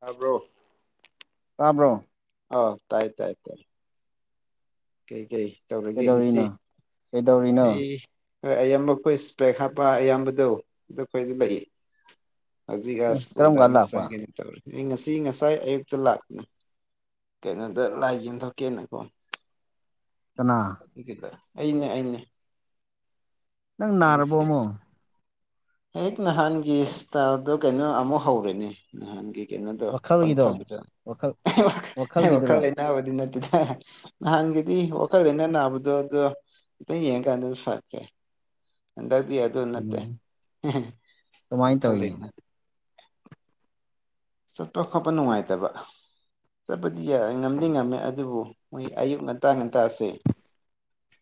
ꯇꯕ꯭ꯔꯣ ꯇꯥꯕ꯭ꯔꯣ ꯑꯣ ꯇꯥꯏ ꯇꯥꯏ ꯇ ꯀꯩꯀꯩ ꯇꯧꯔꯒꯦꯉꯁꯤ ꯀꯩꯗꯧꯔꯤꯅꯣ ꯀꯩꯗꯧꯔꯤꯅꯣ ꯑꯩ ꯈꯔ ꯑꯌꯥꯝꯕ ꯑꯩꯈꯣꯏ ꯏꯁꯄ꯭ꯔꯦꯛ ꯍꯥꯞꯄ ꯑꯌꯥꯝꯕꯗꯣ ꯑꯗꯨ ꯑꯩꯈꯣꯏꯗꯤ ꯂꯩ ꯍꯧꯖꯤꯛ ꯑ ꯑꯦ ꯀꯔꯝ ꯁ꯭ꯀꯨꯜꯗ ꯀꯥꯟ ꯑꯃꯨꯛ ꯂꯥꯛꯄ ꯆꯪꯒꯅꯤ ꯇꯧꯔꯦ ꯑꯩ ꯉꯁꯤ ꯉꯁꯥꯏ ꯑꯌꯨꯛꯇ ꯂꯥꯛꯄꯅꯦ ꯀꯩꯅꯣꯗ ꯂꯥꯏ ꯌꯦꯟꯊꯣꯛꯀꯦꯅꯀꯣ ꯀꯅꯥ ꯑꯩꯅꯦ ꯑꯩꯅꯦ ꯅꯪ ꯅꯔꯕꯣ ꯑꯩꯁꯦ ꯃꯨꯛ ꯍꯦꯛ ꯅꯍꯥꯟꯒꯤꯇꯥꯗꯣ ꯀꯩꯅꯣ ꯑꯃꯨꯛ ꯍꯧꯔꯦꯅꯦ ꯅꯍꯥꯟꯒꯤ ꯀꯩꯅꯣꯗꯣ ꯋꯥꯈꯜꯒꯤꯗꯣ ꯄꯪꯊꯕꯗꯅ ꯋꯥꯈꯜ ꯋꯥꯈꯜ ꯋꯥꯈꯜꯒꯤꯗꯨꯔꯣ ꯂꯩꯅꯥꯕꯨꯗꯤ ꯅꯠꯇꯦ ꯅꯪꯒꯦꯗꯤ ꯋꯥꯈꯜ ꯂꯩꯅ ꯅꯕꯗꯣ ꯌꯦꯡꯒꯅ ꯐꯔꯀꯦ ꯍꯟꯗꯛꯇꯤ ꯑꯗꯨ ꯅꯠꯇꯦ ꯀꯃꯥꯏꯅ ꯋꯥꯈꯜ ꯇꯧꯔꯤꯅꯣ ꯂꯩꯅ ꯆꯠꯄ ꯈꯣꯠꯄ ꯅꯨꯡꯉꯥꯏꯇꯕ ꯆꯠꯄꯗꯤ ꯌꯥ ꯉꯝꯗꯤ ꯉꯝꯃꯦ ꯑꯗꯨꯕꯨ ꯃꯣꯏ ꯑꯌꯨꯛ ꯉꯟꯇꯥ ꯉꯟꯇꯥꯁꯦ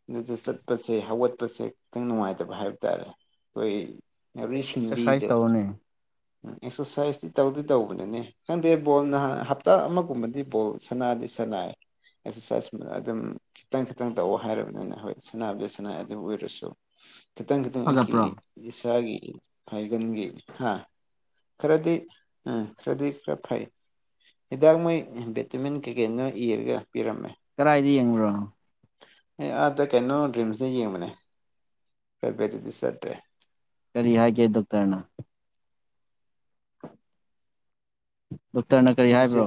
ꯑꯗꯨꯗ ꯆꯠꯄꯁꯦ ꯍꯧꯒꯠꯄꯁꯦ ꯈꯤꯇꯪ ꯅꯨꯡꯉꯥꯏꯇꯕ ꯍꯥꯏꯕ ꯇꯥꯔꯦ ꯑꯩꯈꯣꯏ ꯑꯦꯕꯔꯤ ꯍꯤꯟꯗꯤ ꯑꯦꯛꯁꯔꯁꯥꯏꯁ ꯗꯣ ꯇꯧꯔꯣꯅꯦ ꯑꯦꯛꯁꯔꯁꯥꯏꯁꯇꯤ ꯇꯧꯗ ꯇꯧꯕꯅꯅꯦ ꯈꯪꯗꯦ ꯕꯣꯜ ꯅꯍꯥꯟ ꯍꯞꯇꯥ ꯑꯃꯒꯨꯝꯕꯗꯤ ꯕꯣꯜ ꯁꯅꯥꯗꯤ ꯁꯅꯥ ꯑꯦꯛꯁꯔꯁꯥꯏꯖ ꯑꯗꯨꯝ ꯈꯤꯇꯪ ꯈꯤꯇꯪ ꯇꯧꯑꯣ ꯍꯥꯏꯔꯕꯅꯤꯅ ꯍꯣꯏ ꯁꯅꯥꯅꯕꯖꯦ ꯁꯥꯟꯅꯥ ꯑꯗꯨꯝ ꯑꯣꯏꯔꯁꯨ ꯈꯤꯇꯪ ꯈꯤꯇꯪ ꯑꯩꯈꯈꯤ ꯐꯒꯠꯄ꯭ꯔꯣ ꯏꯁꯥꯒꯤ ꯍꯥꯏꯒꯟꯒꯦ ꯍꯥ ꯈꯔꯗꯤ ꯎ ꯈꯔꯗꯤ ꯈꯔ ꯐꯩ ꯍꯤꯗꯥꯛ ꯃꯣꯏ ꯚꯦꯇꯥꯃꯤꯟ ꯀꯦꯀꯦꯟꯗꯨ ꯏꯔꯒ ꯄꯤꯔꯝꯃꯦ ꯀꯗꯥꯏꯗ ꯌꯦꯡꯕ꯭ꯔꯣꯅꯣ ꯑꯦ ꯑꯗ ꯀꯩꯅꯣ ꯔꯤꯝꯁꯅ ꯌꯦꯡꯕꯅꯦ ꯄꯔꯥꯏꯕꯦꯠ ꯆꯠꯇ꯭ꯔꯦ ꯀꯔꯤ ꯍꯥꯏꯒꯦ ꯗꯣꯛꯇꯔꯅ ꯗꯣꯛꯇꯔꯅ ꯀꯔꯤ ꯃꯣꯏꯁꯦ ꯍꯥꯏꯕ꯭ꯔꯣ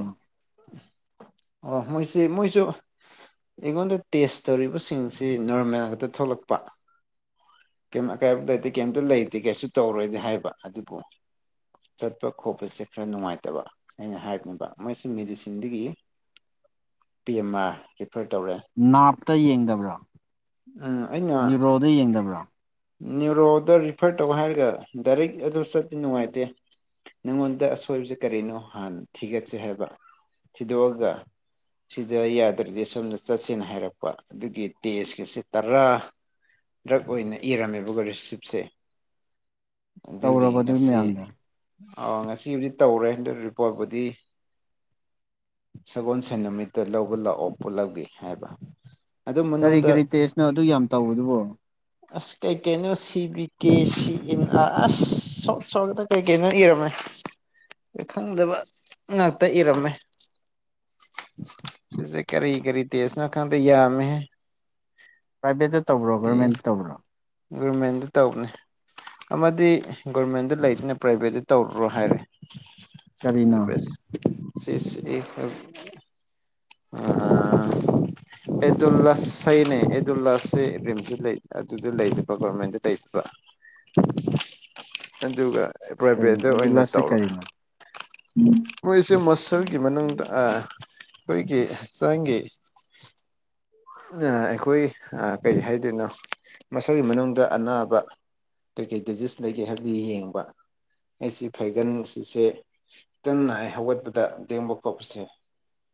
ꯑꯣ ꯃꯣꯏꯁꯤ ꯃꯣꯏꯁꯨ ꯑꯩꯉꯣꯟꯗ ꯇꯦꯁ ꯇꯧꯔꯤꯕꯁꯤꯡꯁꯤ ꯅꯣꯔꯃꯦꯜ ꯈꯛꯇ ꯊꯣꯛꯂꯛꯄ ꯀꯩ ꯑꯀꯥꯏꯕ ꯂꯩꯇꯦ ꯀꯩꯝꯇ ꯂꯩꯇꯦ ꯀꯩꯁꯨ ꯇꯧꯔꯣꯏꯗꯤ ꯍꯥꯏꯕ ꯑꯗꯨꯕꯨ ꯆꯠꯄ ꯈꯣꯠꯄꯁꯦ ꯈꯔ ꯅꯨꯡꯉꯥꯏꯇꯕ ꯑꯩꯅ ꯍꯥꯏꯕꯅꯦꯕ ꯃꯣꯏꯁꯤ ꯃꯦꯗꯤꯁꯤꯟꯗꯒꯤ ꯄꯤ ꯑꯦꯝ ꯑꯥꯔ ꯐꯔ ꯇꯧꯔꯦ ꯅꯥꯞꯇ ꯌꯦꯡꯗꯕ꯭ꯔꯣ ꯑꯩꯅ ꯅ꯭ꯌꯨꯔꯣꯗ ꯌꯦꯡꯗꯕ꯭ꯔꯣ ꯅ꯭ꯌꯨꯔꯣꯗ ꯔꯤꯐꯔ ꯇꯧꯍꯥꯏꯔꯒ ꯗꯥꯏꯔꯦꯛ ꯑꯗꯨ ꯆꯠꯄꯗ ꯅꯨꯡꯉꯥꯏꯇꯦ ꯅꯪꯉꯣꯟꯗ ꯑꯁꯣꯏꯕꯁꯦ ꯀꯔꯤꯅꯣ ꯍꯥꯟꯅ ꯊꯤꯒꯠꯁꯦ ꯍꯥꯏꯕ ꯊꯤꯗꯣꯛꯑꯒ ꯁꯤꯗ ꯌꯥꯗ꯭ꯔꯗꯤ ꯁꯣꯝꯗ ꯆꯠꯁꯦꯅ ꯍꯥꯏꯔꯛꯄ ꯑꯗꯨꯒꯤ ꯇꯦꯖꯀꯤꯁꯦ ꯇꯔꯥ ꯗ ꯔꯛ ꯑꯣꯏꯅꯤ ꯏꯔꯝꯃꯦꯕꯀꯣ ꯔꯤꯁꯤꯞꯁꯦ ꯑꯗꯨꯒꯤ ꯇꯧꯔꯕ ꯑꯗꯨ ꯉꯁꯤ ꯃꯌꯥꯝꯗꯣ ꯑꯥ ꯉꯁꯤꯕꯨꯗꯤ ꯇꯧꯔꯦꯟꯗ ꯔꯤꯄꯣꯔꯠꯄꯨꯗꯤ ꯁꯒꯣꯜ ꯁꯦꯟ ꯅꯨꯃꯤꯠꯇ ꯂꯧꯕ ꯂꯥꯛꯑꯣ ꯄꯨꯠꯂꯞꯒꯦ ꯍꯥꯏꯕ ꯑꯗꯨ ꯀꯔꯤ ꯃꯅꯨꯡꯗ ꯀꯔꯤ ꯇꯦꯁꯅꯣ ꯑꯗꯨ ꯌꯥꯝ ꯇꯧꯗꯨꯕꯣ ꯑꯁ ꯀꯩ ꯀꯩꯅꯣ C B K C and R ꯑꯁ ꯁ ꯁꯣꯗ ꯀꯩ ꯀꯩꯅꯣ ꯏꯔꯝꯃꯦ [inaudible] ꯈꯪꯗꯕ ꯉꯥꯛꯇ ꯏꯔꯝꯃꯦ ꯁꯤꯁꯦ ꯀꯔꯤ ꯀꯔꯤ ꯇꯁꯅ ꯈꯪꯗ ꯌꯥꯝ ꯄ꯭ꯔꯥꯏꯚꯦꯠꯇ ꯇꯧꯕ꯭ꯔꯣ ꯒꯔꯃꯦꯟꯇ ꯇꯧꯕ꯭ꯔꯣ ꯒꯣꯔꯃꯦꯟꯗ ꯇꯧꯕꯅꯦ ꯑꯃꯗꯤ ꯒꯣꯔꯃꯦꯟꯗ ꯂꯩꯇꯅ ꯄ꯭ꯔꯥꯏꯚꯦꯠꯇ ꯇꯧꯔꯨꯔꯣ ꯍꯥꯏꯔꯦ ꯀꯔꯤꯅꯣ ꯁꯤꯁꯦ ꯑ ꯑꯦꯗꯨꯜꯂꯥꯁ ꯍꯥꯢꯅꯦ ꯑꯦꯗꯨꯜꯂꯥꯁꯁꯦ ꯔꯤꯝꯇ ꯂꯩ ꯑꯗꯨ ꯑꯗꯨ ꯂꯩꯕ ꯒꯣꯔꯃꯦꯟꯗ ꯇꯩꯇꯕ ꯑꯗꯨꯒ ꯀꯔꯤꯅꯣ ꯄ꯭ꯔꯥꯏꯚꯦꯠꯇ ꯑꯗꯨ ꯑꯣꯏꯅ ꯂꯁꯁꯦ ꯇꯧꯔꯣ ꯀꯔꯤꯅꯣ ꯃꯣꯏꯁꯦ ꯃꯁ ꯜꯒꯤ ꯃꯅꯨꯡꯗ ꯑꯩꯈꯣꯏꯒꯤ ꯍꯛꯆꯥꯡꯒꯤ ꯑꯩꯈꯣꯏ ꯀꯔꯤ ꯍꯥꯏꯗꯣꯏꯅꯣ ꯃꯁꯜꯒꯤ ꯃꯅꯨꯡꯗ ꯑꯅꯥꯕ ꯀꯩꯀꯩ ꯗꯤꯖꯤꯁ ꯂꯩꯒꯦ ꯍꯥꯏꯕꯗꯣ ꯌꯦꯡꯕ ꯑꯩꯁꯤ ꯐꯩꯒꯟ ꯁꯤꯁꯦ ꯈꯤꯇꯪ ꯅꯥꯏ ꯍꯧꯒꯠꯄꯗ ꯂꯦꯡꯕ ꯀꯣꯠꯄꯁꯦ [inaudible]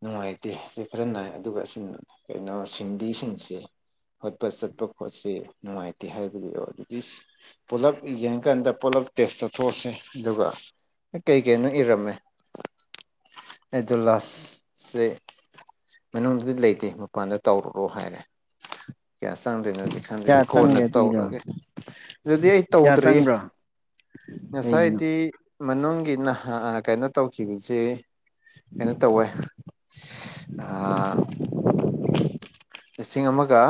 ꯅꯨꯡꯉꯥꯏꯇꯦ ꯑꯁꯤ ꯈꯔ ꯅꯥꯏ ꯑꯗꯨꯒ ꯁꯤ ꯀꯩꯅꯣ ꯁꯤꯡꯂꯤꯁꯤꯡꯁꯦ ꯍꯣꯠꯄ ꯆꯠꯄ ꯈꯣꯠꯁꯤ ꯅꯨꯡꯉꯥꯏꯇꯦ ꯍꯥꯏꯕꯗꯨ ꯑꯗꯨꯗꯤ ꯄꯨꯂꯞ ꯌꯦꯡꯀꯥꯟꯗꯂ ꯄꯨꯂꯞ ꯇꯦꯁ ꯇꯧꯊꯣꯛꯑꯁꯦ ꯑꯗꯨꯒ ꯀꯩ ꯀꯩꯅꯣ ꯏꯔꯝꯃꯦ ꯑꯩꯗꯨꯜꯂꯥꯁꯁꯦ ꯃꯅꯨꯡꯗꯗꯤ ꯂꯩ ꯇꯦ ꯃꯄꯥꯟꯗ ꯇꯧꯔꯨꯔꯣ ꯍꯥꯏꯔꯦ ꯀꯌꯥ ꯆꯪꯗꯣꯏꯅꯣꯗꯤ ꯀꯌꯥ ꯈꯪꯗꯦꯗꯤ ꯀꯣꯟꯅ ꯆꯪꯒꯦ ꯑꯗꯨꯒꯤꯗꯣ ꯇꯧꯔꯒꯦ ꯑꯗꯨꯗꯤ ꯑꯩ ꯀꯌꯥ ꯇꯧꯗ꯭ꯔꯤ ꯆꯪꯕ꯭ꯔꯣ ꯀꯩꯒꯤꯅꯣ ꯉꯁꯥꯏꯗꯤ ꯃꯅꯨꯡ ꯒꯤ ꯅꯍ ꯀꯩꯅꯣ ꯇꯧꯈꯤꯕꯁꯤ ꯀꯩꯅꯣ ꯇꯧꯋꯦ ꯑ ꯂꯤꯁꯤꯡ ꯑꯃꯒ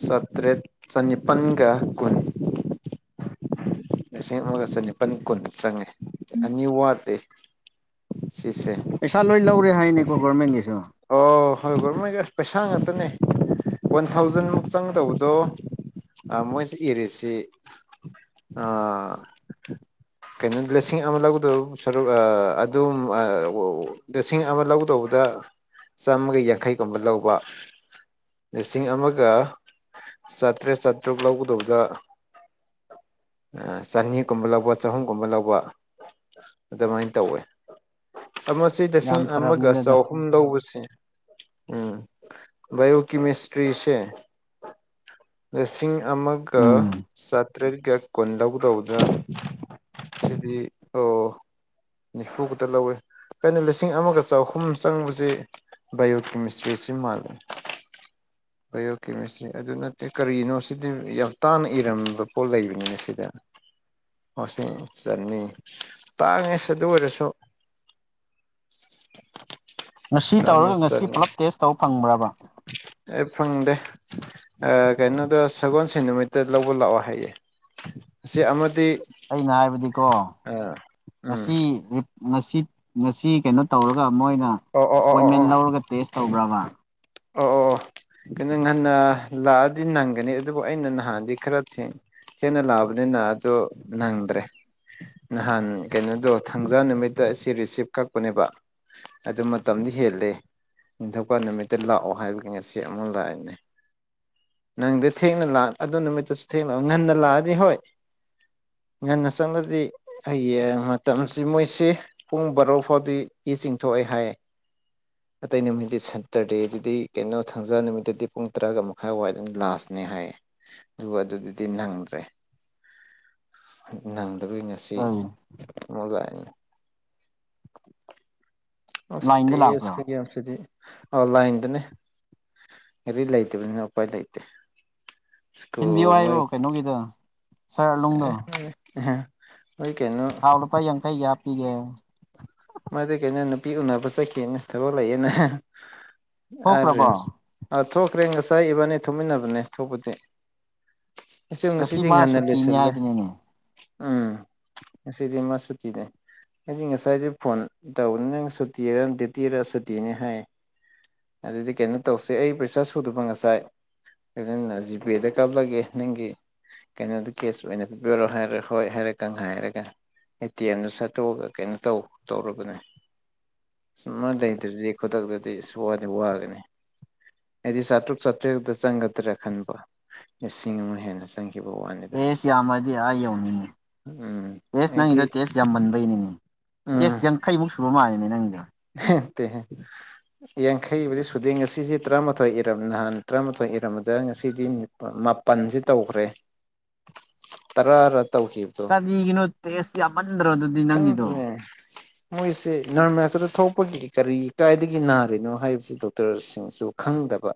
ꯆꯇ꯭ꯔꯦꯠ ꯆꯅꯤꯄꯜꯒ ꯀꯨꯟ ꯂꯤꯁꯤꯡ ꯑꯃꯒ ꯆꯅꯤꯄꯥꯟ ꯀꯨꯟ ꯆꯪꯉꯦ ꯑꯅꯤ ꯋꯥꯠꯇꯦ ꯁꯤꯁꯦ ꯄꯩꯁꯥ ꯂꯣꯏ ꯂꯧꯔꯦ ꯍꯥꯏꯅꯦꯀꯣ ꯒꯣꯔꯃꯦꯟꯒꯤꯁꯨ ꯑꯣ ꯍꯣꯏ ꯒꯣꯔꯃꯦꯟꯒ ꯄꯩꯁꯥ ꯉꯥꯛꯇꯅꯦ ꯋꯥꯟ ꯊꯥꯎꯖꯟꯃꯨꯛ ꯆꯪꯒꯗꯧꯕꯗꯣ ꯃꯣꯏꯁꯤ ꯏꯔꯤꯁꯤ ꯑꯥ ꯀꯩꯅꯣ ꯂꯤꯁꯤꯡ ꯑꯃ ꯂꯧꯒꯗ ꯁꯔꯨꯛ ꯑꯗꯨꯝ ꯂꯤꯁꯤꯡ ꯑꯃ ꯂꯧꯒꯗꯧꯕꯗ ꯆꯥꯝꯃꯒ ꯌꯥꯡꯈꯩꯒꯨꯝꯕ ꯂꯧꯕ ꯂꯤꯁꯤꯡ ꯑꯃꯒ ꯆꯥꯇ꯭ꯔꯦꯠ ꯆꯥꯇ꯭ꯔꯨꯛ ꯂꯧꯒꯗꯧꯗ ꯆꯅꯤꯒꯨꯝꯕ ꯂꯧꯕ ꯆꯍꯨꯝꯒꯨꯝꯕ ꯂꯧꯕ ꯑꯗꯨꯃꯥꯏꯅ ꯇꯧꯋꯦ ꯑꯃꯁꯦ ꯂꯤꯁꯤꯡ ꯌꯥꯝ ꯑꯃꯒ ꯐꯔꯕꯅꯤꯗ ꯑꯗꯨ ꯆꯍꯨꯝ ꯂꯧꯕ ꯎꯝ ꯕꯥꯢꯑꯧ ꯀꯦꯃꯦꯁꯇ꯭ꯔꯤꯁꯦ [inaudible] ꯂꯤꯁꯤꯡ ꯑꯃꯒ ꯎꯝ ꯆꯥꯇ꯭ꯔꯦꯠꯀ ꯀꯨꯟ ꯂꯧꯒꯗꯧꯗ ꯁꯤꯗꯤ ꯑꯣ ꯅꯤꯐꯨ ꯈꯛꯇ ꯂꯧꯋꯦ ꯀꯩꯅꯣ ꯂꯤꯁꯤꯡ ꯑꯃꯒ ꯆꯍꯨꯝ ꯆꯪꯕꯁꯦ ꯕꯥꯢꯑꯣ ꯀꯦꯃꯤꯁꯇ꯭ꯔꯤꯁꯤ ꯃꯥꯂꯢꯜꯂꯦ [inaudible] ꯕꯥꯏꯑꯣꯀꯦꯃꯤꯁꯇ꯭ꯔꯤ ꯑꯗꯨ ꯅꯠꯇꯦ ꯀꯔꯤꯅꯣ ꯁꯤꯗꯤ ꯌꯥꯝ ꯇꯥꯅ ꯏꯔꯝꯕ ꯄꯣꯠ ꯂꯩꯕꯅꯤꯅꯦ ꯁꯤꯗ ꯃꯁꯤ ꯆꯟꯅꯤ ꯇꯥꯡꯉꯦ ꯏꯁ ꯑꯗꯨ ꯑꯣꯏꯔꯁꯨ ꯉꯁꯤ ꯆꯥꯝꯃ ꯇꯧꯔꯒ ꯉꯁꯤ ꯄꯨꯂꯞ ꯇꯦꯁ ꯇꯧꯕ ꯐꯪꯕ꯭ꯔꯕ ꯑꯦ ꯐꯪꯗꯦ ꯑꯥ ꯀꯩꯅꯣꯗ ꯁꯒꯣꯜꯁꯦꯟ ꯅꯨꯃꯤꯠꯇ ꯂꯧꯕ ꯂꯥꯛꯑꯣ ꯍꯥꯏꯌꯦꯦ ꯑꯁꯤ ꯑꯃꯗꯤ ꯑꯩꯅ ꯍꯥꯏꯕꯗꯤꯀꯣ ꯑ ꯎꯝ ꯉꯁꯤ ꯉꯁꯤ ꯉꯁꯤ ꯀꯩꯅꯣ ꯇꯧꯔꯒ ꯃꯣꯏꯅ ꯑꯣ ꯑꯣ ꯑꯣ ꯑꯣ ꯑꯦꯄꯣꯏꯟꯃꯦꯟ ꯑꯣ ꯂꯧꯔꯒ ꯇꯦꯁ ꯇꯧꯕ꯭ꯔꯥꯕ ꯑꯣ ꯑꯣ ꯀꯩꯅꯣ ꯉꯟꯅ ꯂꯥꯛꯑꯗꯤ ꯅꯪꯒꯅꯤ ꯑꯗꯨꯕꯨ ꯑꯩꯅ ꯅꯍꯥꯟꯗꯤ ꯈꯔ ꯊꯦꯡ ꯊꯦꯡꯅ ꯂꯥꯛꯑꯕꯅꯤꯅ ꯑꯗꯨ ꯅꯪꯗ꯭ꯔꯦ ꯅꯍꯥꯟ ꯀꯩꯅꯣꯗꯣ ꯊꯥꯡꯖꯥ ꯅꯨꯃꯤꯠꯇ ꯑꯁꯤ ꯔꯤꯁꯤꯞ ꯀꯛꯄꯅꯦꯕ ꯑꯗꯨ ꯃꯇꯝꯗꯤ ꯍꯦꯜꯂꯦ ꯅꯤꯡꯊꯧꯀꯥ ꯅꯨꯃꯤꯠ ꯇ ꯂꯥꯛꯑꯣ ꯍꯥꯏꯕꯒꯤ ꯉꯁꯤ ꯑꯃꯨꯛ ꯂꯥꯛꯏꯅꯦ ꯅꯪꯗꯤ ꯊꯦꯡꯅ ꯂꯥꯛ ꯑꯗꯨ ꯅꯨꯃꯤꯠꯇꯁꯨ ꯊꯦꯡꯅ ꯉꯟꯅ ꯂꯥꯛꯑꯗꯤ ꯍꯣꯏ [inaudible] ꯉꯟꯅ ꯆꯪꯂꯂꯗꯤ ꯍꯌꯦꯡ ꯃꯇꯝꯁꯤ ꯃꯣꯏꯁꯤ ꯄꯨꯡ ꯕꯥꯔꯣ ꯐꯥꯎꯗꯤ ꯏ ꯆꯤꯡꯊꯣꯛꯑꯦ ꯍꯥꯏ ꯑꯇꯩ ꯅꯨꯃꯤꯇꯤ ꯁꯟ ꯁꯦꯇꯔꯗꯦꯗꯗꯤ ꯀꯩꯅꯣ ꯊꯪꯖꯥ ꯅꯨꯃꯤꯠꯇꯗꯤ ꯄꯨꯡ ꯇꯔꯥꯒ ꯃꯈꯥꯏꯋꯥꯏ ꯑꯗꯨꯝ ꯂꯥꯁꯅꯦ ꯍꯥꯏꯌꯦ ꯑꯗꯨꯒ ꯑꯗꯨꯗꯤ ꯅꯪꯗ꯭ꯔꯦ ꯑꯗꯨꯒꯤ ꯉꯁꯤ ꯏꯃꯣ ꯂꯥꯛꯏꯅꯤ ꯑꯁ ꯂꯥꯏꯟꯗ ꯇꯦꯁ ꯂꯥꯛꯄ꯭ꯔꯣ ꯃꯌꯥꯝꯁꯤꯗꯤ ꯑꯣ ꯂꯥꯏꯟꯗꯅꯦ ꯀꯔꯤ ꯂꯩꯇꯕꯅꯤꯅ ꯎꯄꯥꯏ ꯂꯩꯇꯦ ꯊꯤꯟꯕꯤꯌꯣ ꯁ꯭ꯀꯨꯜ ꯍꯥꯏꯌꯣ ꯃꯣꯏ ꯀꯩꯅꯣꯒꯤꯗ [unintelligible] ꯍꯥꯎ ꯂꯨꯄꯥ ꯌꯥꯡ ꯀꯩ ꯍꯥꯄꯤꯒꯦ ꯃꯗꯤ ꯀꯩꯅꯣ ꯅꯨꯄꯤ ꯎꯅꯕ ꯆꯠꯀꯦꯅ ꯊꯕꯛ ꯂꯩꯌꯦꯦꯅ ꯊꯣꯛꯈ꯭ꯔꯕꯣ ꯔꯤꯝꯁ ꯑꯥ ꯊꯣꯛꯈ꯭ꯔꯦ ꯉꯁꯥꯏ ꯏꯕꯥꯅꯤ ꯊꯣꯛꯃꯤꯟꯅꯕꯅꯦ ꯊꯣꯛꯄꯗꯤ ꯑꯗꯣ ꯉꯁꯤ ꯉꯁꯤꯇ ꯃꯥ ꯉꯥꯟꯅ ꯁꯨꯇꯤꯅꯤ ꯂꯣꯏꯁꯤꯂꯦ ꯍꯥꯏꯕꯅꯤꯅꯦ ꯎꯝ ꯉꯁꯤꯗꯤ ꯃꯥ ꯁꯨꯇꯤꯅꯦ ꯑꯩꯗꯤ ꯉꯁꯥꯏꯗꯤ ꯐꯣꯟ ꯇꯧꯕꯅꯤ ꯅꯪ ꯁꯨꯇꯤꯔ ꯗ꯭ꯌꯨꯇꯤꯔ ꯁꯨꯇꯤꯅꯤ ꯍꯥꯏ ꯑꯗꯨꯗꯤ ꯀꯩꯅꯣ ꯇꯧꯁꯤ ꯑꯩ ꯄꯩꯁꯥ ꯁꯨꯗꯕ ꯉꯁꯥꯏ ꯅꯖꯤꯕꯦꯗ ꯀꯄꯒꯦ ꯅꯪꯒꯤ ꯀꯩꯅꯣꯗ ꯀꯦꯁ ꯑꯣꯏꯅ ꯄꯤꯕꯤꯔꯣ ꯍꯥꯏꯔ ꯍꯣꯏ ꯍꯥꯏꯔꯦꯀ ꯍꯥꯏꯔꯒ ꯑꯦ ꯇꯤ ꯑꯦꯝꯗꯨ ꯁꯠꯇꯣꯛꯑꯒ ꯀꯩꯅꯣ ꯇꯧ ꯇꯧꯔꯕꯅꯦ ꯁꯨꯃꯥꯏ ꯂꯩꯇ꯭ꯔꯗꯤ ꯈꯨꯗꯛꯇꯗꯤ ꯁ ꯋꯥꯗꯤ ꯋꯥꯒꯅꯤ ꯑꯩꯗꯤ ꯆꯥꯇ꯭ꯔꯨꯛ ꯆꯥꯇ꯭ꯔꯦꯨꯛꯇ ꯆꯪꯒꯗ꯭ꯔꯥ ꯈꯟꯕ ꯂꯤꯁꯤꯡ ꯑꯃꯨꯛ ꯍꯦꯟꯅ ꯆꯪꯈꯤ ꯇꯦꯁ ꯌꯥꯝꯃꯗꯤ ꯑꯥ ꯌꯧꯅꯤꯅꯦ ꯎꯝ ꯇꯦꯁ ꯑꯩꯗꯤ ꯅꯪꯒꯤꯗꯣ ꯇꯦꯁ ꯌꯥꯝ ꯃꯟꯕꯩꯅꯤꯅꯦ ꯎꯝ ꯇꯦꯁ ꯌꯥꯡꯈꯩꯃꯨꯛ ꯁꯨꯕ ꯃꯥꯜꯂꯦꯅꯦ ꯅꯪꯗꯣ ꯍꯦ ꯌꯥꯡꯈꯩꯕꯨꯗꯤ ꯁꯨꯗꯦ ꯉꯁꯤꯁꯦ ꯇꯔꯥꯃꯥꯊꯣꯏ ꯏꯔꯝ ꯅꯍꯥꯟ ꯇꯔꯥꯃꯥꯊꯣꯏ ꯏꯔꯝꯃꯗ ꯉꯁꯤꯗꯤ ꯅꯤ ꯃꯥꯄꯜꯁꯤ ꯇꯧꯈ꯭ꯔꯦ ꯇꯔꯥ ꯀꯔꯤꯒꯤꯅꯣ ꯇꯦꯁ ꯌꯥꯝꯃꯟꯗꯔꯣ ꯈꯪꯗꯦ ꯃꯣꯏꯁꯦ ꯅꯔꯃꯦꯇꯗ ꯊꯣꯛꯄꯒꯤ ꯀꯔꯤ ꯀꯥꯏꯗꯒꯤ ꯅꯥꯔꯤꯅꯣ ꯍꯥꯏꯕꯁꯤ ꯗꯣꯛꯇꯔꯁꯤꯡꯁꯨ ꯈꯪꯗꯕ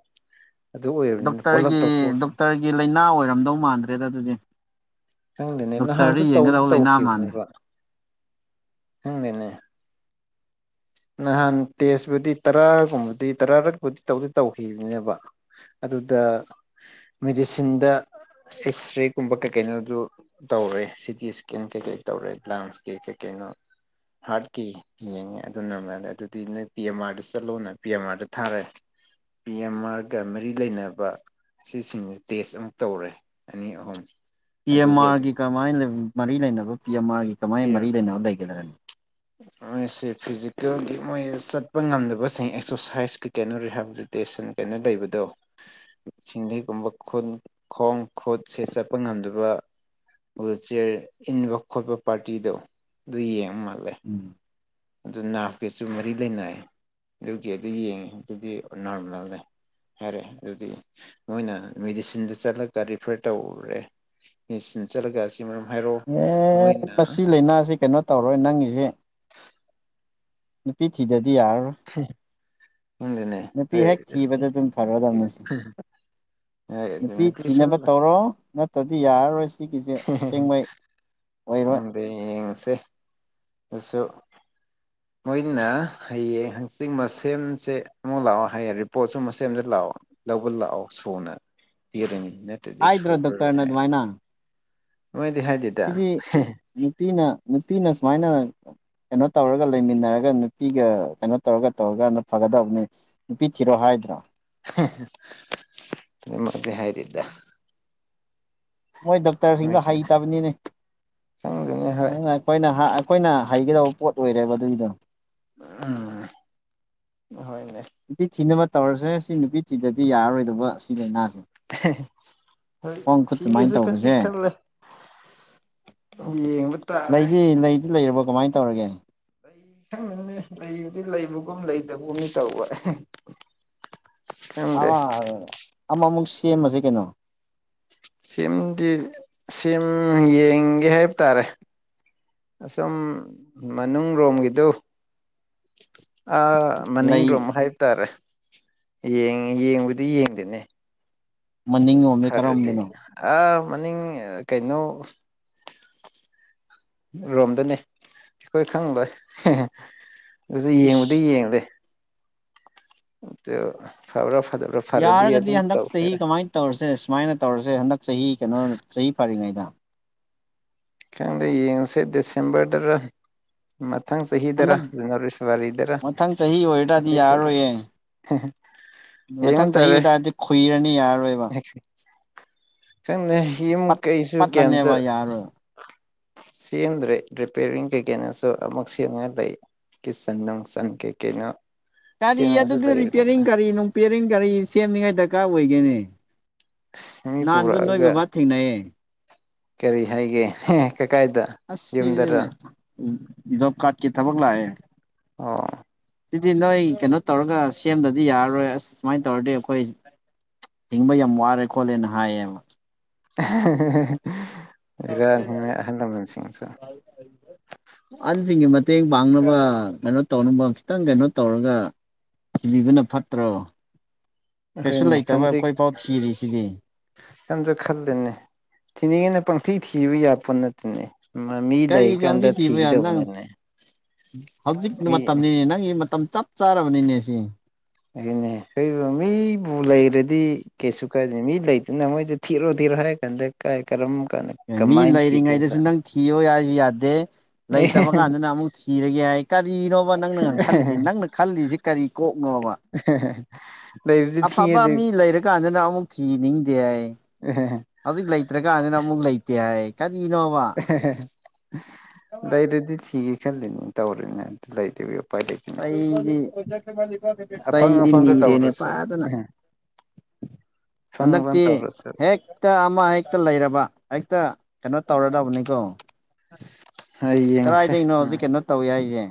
ꯑꯗꯨ ꯑꯣꯏꯔꯕꯅꯤꯅ ꯄꯨꯂꯞ ꯗꯣꯛꯇꯔꯒꯤ ꯇꯧꯊꯣꯛꯁꯅꯤ ꯗꯣꯛꯇꯔꯒꯤ ꯂꯥꯏꯅꯥ ꯑꯣꯏꯔꯝꯗꯧ ꯃꯥꯟꯗ꯭ꯔꯦꯗ ꯑꯗꯨꯗꯤ ꯈꯪꯗꯦꯅꯦ ꯗꯣꯛꯇꯔꯗ ꯅꯍꯥꯟꯁꯨ ꯇꯧꯗ ꯌꯦꯡꯒꯗꯧ ꯂꯥꯏꯅꯥ ꯃꯥꯟꯗ꯭ꯔꯦ ꯇꯧꯈꯤꯕꯅꯦꯕ ꯈꯪꯗꯦꯅꯦ [inaudible] ꯅꯍꯥꯟ ꯇꯦꯁꯄꯨꯗꯤ ꯇꯔꯥꯒꯨꯝꯕꯗꯤ ꯇꯔꯥꯔꯛꯕꯨꯗꯤ ꯇꯧꯗꯤ ꯇꯧꯈꯤꯕꯅꯦꯕ ꯑꯗꯨꯗ ꯃꯦꯗꯤꯁꯤꯟꯗ ꯑꯦꯛꯁ ꯔꯦꯒꯨꯝꯕ ꯀꯩꯀꯩꯅꯣ ꯑꯗꯨ ꯇꯧꯔꯦ ꯁꯤ ꯇꯤ ꯏꯁꯀꯦꯟ ꯀꯩꯀꯩ ꯇꯧꯔꯦ ꯂꯥꯟꯁ ꯀꯦ ꯀꯩꯀꯩ [inaudible] ꯍꯥꯔꯠꯀꯤ ꯌꯦ ꯑꯗꯨꯅ ꯑꯗꯨꯗꯤ ꯅꯣꯏ ꯄꯤ ꯑꯦꯝ ꯑꯥꯔꯗ ꯆꯠꯂꯣꯅꯦ ꯄꯤ ꯑꯦꯝ ꯑꯥꯔꯗ ꯊꯥꯔꯛꯑꯦ ꯄꯤ ꯑꯦꯝ ꯑꯥꯔꯒ ꯃꯔꯤ ꯂꯩꯅꯕ ꯁꯤꯁꯤꯡꯁꯦ ꯇꯦꯁ ꯑꯃꯨꯛ ꯇꯧꯔꯦ ꯑꯅꯤ ꯑꯍꯨꯝ ꯄꯤ ꯑꯦꯝ ꯑꯗꯨꯁꯨ ꯃꯥꯥꯔꯒꯤ ꯀꯃꯥꯏ ꯃꯔꯤ ꯂꯩꯅꯕ ꯄꯤ ꯑꯦꯝ ꯑꯥꯔꯒꯤ ꯀꯃꯥꯏꯅ ꯃꯔꯤ ꯂꯩꯅꯕ ꯂꯩꯒꯗ꯭ꯔꯅꯤ ꯃꯣꯏꯁꯦ ꯐꯤꯖꯤꯀꯦꯜꯜꯂꯤ ꯃꯣꯏ ꯆꯠꯄ ꯉꯝꯗꯕꯁꯤꯡ ꯑꯦꯛꯁꯔꯁꯥꯏꯁꯀꯤ ꯀꯩꯅꯣꯔꯤ ꯍꯥꯏꯕꯖꯤꯛꯇꯤ ꯀꯩꯅꯣ ꯂꯩꯕꯗꯣ ꯁꯤꯡꯂꯩꯒꯨꯝꯕ ꯈꯨꯟ ꯈꯣꯡ ꯈꯨꯠꯁꯦ ꯆꯠꯄ ꯉꯝꯗꯕ ꯆꯤꯌꯔ ꯏꯟꯕ ꯈꯣꯠꯄ ꯄꯥꯔꯇꯤꯗꯣ ꯑꯗꯨ ꯌꯦꯡ ꯃꯥꯜꯂꯦ ꯎꯝ ꯑꯗꯨ ꯅꯥꯞꯀꯁꯨ ꯃꯔꯤ ꯂꯩꯅꯌꯦ ꯑꯗꯨꯒꯤ ꯑꯗꯨ ꯌꯦꯡꯉꯦ ꯑꯗꯨꯗꯤ ꯅꯣꯔꯃꯦꯜ ꯂꯩ ꯍꯥꯏꯔꯦ ꯑꯗꯨꯗꯤ ꯃꯣꯏꯅ ꯃꯦꯗꯤꯁꯤꯟꯗ ꯆꯠꯂꯒ ꯔꯤꯐꯔ ꯇꯧꯔꯦ ꯆꯠꯂꯒ ꯃꯔꯝ ꯍꯥꯏꯔꯛꯑꯣ ꯑꯦ ꯃꯣꯏꯅ ꯃꯁꯤ ꯂꯥꯏꯅꯥꯁꯤ ꯀꯩꯅꯣ ꯇꯧꯔꯣꯏ ꯅꯪꯒꯤꯁꯦ ꯅꯨꯄꯤ ꯊꯤꯗ꯭ꯔꯗꯤ ꯌꯥꯔꯔꯣꯏ ꯈꯪꯗꯦꯅꯦ ꯅꯨꯄꯤ ꯍꯣꯏ ꯍꯦꯛ ꯑꯁꯤ ꯊꯤꯕꯗ ꯑꯗꯨꯝ ꯐꯔꯗꯧꯅꯦ [unintelligible] ꯍꯣꯏ ꯑꯗꯨ ꯅꯨꯄꯤ ꯅꯨꯄꯤꯁꯨ ꯊꯤꯅꯕ ꯇꯧꯔꯣ ꯅꯠꯇ꯭ꯔꯗꯤ ꯌꯥꯔꯔꯣꯏ ꯁꯤꯒꯤꯁꯦ ꯑꯁꯦꯡꯕꯩ ꯑꯣꯏꯔꯣꯏ ꯑꯗꯤ ꯌꯦꯡꯉꯁꯨ ꯑꯩꯁꯨ ꯃꯣꯏꯅ ꯍꯌꯦꯡ ꯍꯪꯆꯤꯠ ꯃꯁꯦꯝꯁꯦ ꯑꯃꯨꯛ ꯂꯥꯛꯑꯣ ꯍꯥꯏꯌꯦꯡ ꯔꯤꯄꯣꯠꯁꯨ ꯃꯁꯦꯝꯁꯦ ꯂꯥꯛꯑꯣ ꯂꯧꯕ ꯂꯥꯛꯎ ꯁꯨꯅ ꯄꯤꯔꯅꯤ ꯅꯠꯇ꯭ꯔꯗꯤ ꯍꯥꯏꯗ꯭ꯔꯣ ꯁꯨꯔꯔꯣꯏ ꯗꯣꯛꯇꯔꯅ ꯍꯥꯏ ꯑꯗꯨꯃꯥꯏꯅ ꯅꯣꯏꯗꯤ ꯍꯥꯏꯗꯦꯗ ꯁꯤꯗꯤ ꯅꯨꯄꯤꯅ ꯅꯨꯄꯤꯅ ꯁꯨꯃꯥꯏꯅ ꯀꯩꯅꯣ ꯇꯧꯔꯒ ꯂꯩꯃꯤꯟꯅꯔꯒ ꯅꯨꯄꯤꯒ ꯀꯩꯅꯣ ꯇꯧꯔꯒ ꯇꯧꯔꯒ ꯐꯒꯗꯕꯅꯦ ꯅꯨꯄꯤ ꯊꯤꯔꯣ ꯍꯥꯏ ꯍꯥꯏꯗ꯭ꯔꯥ ꯍꯥꯏꯗꯦꯗ ꯃꯣꯏ ꯗꯣꯛꯇꯔꯁꯤꯡꯗꯣ ꯅꯣꯏꯁꯦ ꯍꯩꯇꯕꯅꯤꯅꯦ ꯈꯪꯗꯦꯅꯦ ꯍꯣꯏ ꯑꯩꯈꯣꯏꯅ ꯑꯩꯈꯣꯏꯅ ꯍꯩꯒꯗꯕ ꯄꯣꯠ ꯑꯣꯏꯔꯦꯕ ꯑꯗꯨꯒꯤꯗꯣ ꯎꯝ ꯍꯣꯏꯅꯦ ꯅꯨꯄꯤ ꯊꯤꯅꯕ ꯇꯧꯔꯁꯦ ꯁꯤ ꯅꯨꯄꯤ ꯊꯤꯗ꯭ꯔꯗꯤ ꯌꯥꯔꯔꯣꯏꯗꯧꯕ ꯁꯤ ꯂꯥꯏꯅꯥꯁꯦ ꯍꯣꯏ ꯈꯣꯡ ꯈꯨꯠ ꯁꯨꯃꯥꯏꯅ ꯊꯤꯒꯦꯁꯦ ꯈꯟꯗꯤ ꯇꯧꯕꯁꯦ ꯈꯜꯂꯦ ꯌꯦꯡꯕ ꯇꯥꯔꯦ ꯂꯩꯔꯕꯣ ꯀꯃꯥꯏꯅ ꯇꯧꯔꯒꯦ ꯂꯩ ꯈꯪꯕꯅꯤ ꯂꯩꯕꯨꯗꯤ ꯂꯩꯕꯒꯨꯝ ꯂꯩꯇꯕꯒꯨꯝꯅꯤ ꯇꯧꯕ ꯈꯪꯗꯦ ꯑꯃꯃꯨꯛ ꯁꯦꯝꯃꯁꯦ ꯀꯩꯅꯣ ꯁꯤꯝꯗꯤ ꯁꯤꯝ ꯌꯦꯡꯒꯦ ꯍꯥꯏꯕ ꯇꯥꯔꯦ ꯑꯁꯨꯝ ꯃꯅꯨꯡ ꯔꯣꯝꯒꯤꯗꯨ ꯃꯅꯤꯡ ꯂꯩ ꯔꯣꯝ ꯍꯥꯏꯕ ꯇꯥꯔꯦ ꯌꯦꯡ ꯌꯦꯡꯕꯨꯗꯤ ꯌꯦꯡꯗꯅꯦ ꯃꯅꯤꯡꯂꯣꯝꯗ ꯐꯔꯦꯗꯤ ꯀꯔꯣꯝꯗꯅꯣ ꯑꯥ ꯃꯅꯤꯡ ꯀꯩꯅꯣ ꯔꯣꯝꯗꯅꯤ ꯑꯩꯈꯣꯏ ꯈꯪꯂꯣꯏ ꯑꯗꯨ ꯌꯦꯡꯕꯗꯤ ꯏꯁ ꯌꯦꯡꯗꯦ [unintelligible] ꯐꯔꯗꯤ ꯌꯥꯔꯒꯗꯤ ꯑꯗꯨꯝ ꯍꯟꯗꯛ ꯆꯍꯤ ꯇꯧꯁꯤꯔ ꯀꯃꯥꯏꯅ ꯇꯧꯔꯁꯦ ꯁꯨꯃꯥꯏꯅ ꯇꯧꯔꯁꯦ ꯍꯟꯗꯛ ꯆꯍꯤ ꯀꯩꯅꯣ ꯆꯍꯤ ꯐꯔꯤꯉꯩꯗ ꯈꯪꯗꯦ ꯌꯦꯡꯉꯁꯦ ꯗꯤꯁꯦꯝꯕꯔꯗꯔ ꯃꯊꯥꯡ ꯆꯍꯤꯗꯔ ꯍꯟꯗꯛ ꯖꯅꯋꯥꯔꯤ ꯐꯦꯕꯋꯥꯔꯤꯗꯔ ꯃꯊꯪ ꯆꯍꯤ ꯑꯣꯏꯇꯥꯔꯗꯤ ꯑ ꯈ꯭ꯔꯦ ꯌꯥꯔꯔꯣꯏꯌꯦ ꯃꯊꯪ ꯆꯍꯤ ꯑꯗꯨꯇꯥꯔꯗꯤ ꯈꯨꯨꯏꯔꯅꯤ ꯌꯥꯔꯔꯣꯏꯕ ꯈꯪꯗꯦ ꯌꯨꯝ ꯄꯠ ꯀꯩꯁꯨ ꯀꯩꯝꯇ ꯄꯠꯂꯅꯦꯕ ꯌꯥꯔꯣꯏ ꯁꯦꯝꯗ꯭ꯔꯦ ꯔꯤꯄꯤꯌꯥꯔꯤꯡ ꯀꯩꯀꯩꯅꯁꯨ ꯑꯃꯨꯛ ꯁꯦꯝꯉ ꯂꯩ ꯀꯤꯆꯟ ꯅꯨꯡ ꯀꯩꯀꯩꯅꯣ ꯒꯥꯔꯤ ꯑꯗꯨꯗꯤ ꯔꯤꯄꯤꯌꯔꯤꯡ ꯀꯥꯔꯤ ꯅꯨꯡꯄꯤꯔꯤꯡ ꯀꯥꯔꯤ ꯁꯦꯝꯅꯤꯉꯥꯏ ꯗꯔꯀꯥꯔ ꯑꯣꯏꯒꯦꯅꯤ ꯃꯤ ꯅꯍꯥꯟꯁꯨ ꯅꯣꯏ ꯄꯨꯔꯛꯑꯒ ꯕꯕꯥ ꯊꯦꯡꯅꯩꯌꯦ ꯀꯔꯤ ꯍꯥꯏꯒꯦ ꯀꯀꯥꯏꯗ ꯌꯨꯝꯗꯔ ꯖꯣꯞ ꯀꯥꯔꯠꯀꯤ ꯊꯕꯛ ꯂꯥꯛꯑꯦ ꯑꯣ ꯁꯤꯗꯤ ꯅꯣꯏ ꯀꯩꯅꯣ ꯇꯧꯔꯒ ꯁꯦꯝꯗꯗꯤ ꯌꯥꯔꯔꯣꯏ ꯑꯁ ꯁꯨꯃꯥꯏꯅ ꯇꯧꯔꯗꯤ ꯑꯩꯈꯣꯏ ꯍꯤꯡꯕ ꯌꯥꯝ ꯋꯥꯔꯦ ꯈꯣꯠꯂꯦꯅ ꯍꯥꯏꯌꯦ [unintelligible] ꯕꯦꯔꯥꯅꯤ ꯃꯣꯏ ꯑꯍꯜ ꯂꯃꯟꯁꯤꯡꯁꯨ [unintelligible] ꯑꯍꯟꯁꯤꯡꯒꯤ ꯃꯇꯦꯡ ꯄꯥꯡꯅꯕ ꯀꯩꯅꯣ ꯇꯧꯅꯕ ꯈꯤꯇꯪ ꯀꯩꯅꯣ ꯇꯧꯔꯒ ꯊꯤꯕꯅ ꯐꯠꯇ꯭ꯔꯣ ꯀꯩꯁꯨ ꯍꯣꯏꯅꯦ ꯂꯩꯇꯕ ꯈꯟꯗꯤ ꯑꯩꯈꯣꯏꯐꯥꯎ ꯊꯤꯔꯤꯁꯤꯗꯤ ꯈꯟꯁꯨ ꯈꯗꯦꯅꯦ ꯊꯤꯅꯤꯡꯉꯦꯅ ꯄꯪꯊꯤ ꯊꯤꯕ ꯌꯥꯄꯣꯠ ꯅꯠꯇꯦꯅꯦ ꯃꯃꯤ ꯂꯩ ꯀꯔꯤ ꯀꯥꯟꯗ ꯀꯥꯡꯊꯤ ꯊꯤꯕ ꯌꯥ ꯅꯪ ꯊꯤꯗꯧꯕꯅꯦꯅꯦ ꯍꯧꯖꯤꯛ ꯃꯇꯝꯅꯤꯅꯦ ꯅꯪꯒꯤ ꯃꯇꯝ ꯆꯞ ꯆꯥꯔꯕꯅꯤꯅꯦ ꯁꯤ ꯑꯗꯨꯅꯦ ꯃꯤꯕꯨ ꯂꯩꯔꯗꯤ ꯀꯩꯁꯨ ꯀꯥꯏꯗꯦ ꯃꯤ ꯂꯩꯇꯅ ꯃꯣꯏꯁꯨ ꯊꯤꯔꯣ ꯊꯤꯔꯣ ꯍꯥꯢꯀꯥꯟꯗ ꯀꯥꯢ ꯀꯔꯝ ꯀꯥꯟꯗ ꯃꯤ ꯀꯃꯥꯏꯅ ꯂꯩꯔꯤꯉꯩꯗꯁꯨ ꯊꯤꯗꯣꯏꯕ ꯅꯪ ꯊꯤꯌꯣ ꯍꯥꯏ ꯌꯥꯗꯦ ꯂꯩꯇꯕ ꯀꯥꯟꯗꯅ ꯅꯪ ꯑꯃꯨꯛ ꯊꯤꯔꯒꯦ ꯍꯥꯏ ꯀꯔꯤꯅꯣꯕ ꯅꯪꯅ ꯈꯜꯂꯤꯁꯦ ꯅꯪꯅ ꯈꯜꯂꯤꯖꯦ ꯀꯔꯤ ꯀꯣꯛ ꯅꯣꯕ ꯂꯩꯕꯗꯤ ꯊꯤꯌꯦ ꯑꯐꯕ ꯑꯗꯨ ꯃꯤ ꯂꯩꯔꯀꯥꯟꯗꯅ ꯑꯃꯨꯛ ꯊꯤꯅꯤꯡꯗꯦ [unintelligible] ꯍꯧꯖꯤꯛ ꯂꯩꯇ꯭ꯔꯀꯥꯟꯗꯅ ꯑꯃꯨꯛ ꯂꯩꯇꯦ ꯍꯥꯏ ꯀꯔꯤꯅꯣꯕ ꯂꯩꯔꯗꯤ ꯊꯤꯒꯦ ꯈꯜꯂꯤꯅꯤ ꯇꯧꯔꯤꯅꯦ ꯑꯗꯨ ꯂꯩꯇꯕ ꯆꯩꯗꯤ ꯑꯐꯪ ꯆꯩꯗꯤ ꯑꯐꯪꯗ ꯅꯤꯔꯦꯅꯦ ꯇꯧꯔꯁꯨ ꯐꯖꯅ ꯑꯐꯪ ꯑꯐꯪ ꯍꯟꯗꯛꯇꯤ ꯇꯧꯔꯁꯨ ꯍꯦꯛꯇ ꯑꯃ ꯍꯦꯛꯇ ꯂꯩꯔꯕ ꯍꯦꯛꯇ ꯀꯩꯅꯣ ꯇꯧꯔꯗꯕꯅꯤꯀꯣ ꯍꯣꯏ ꯌꯦꯡꯉꯁꯦ ꯀꯗꯥꯏꯗꯒꯤꯅꯣ ꯎꯝ ꯍꯧꯖꯤꯛ ꯀꯩꯅꯣ ꯇꯧꯋꯦ ꯍꯥꯏꯁꯦ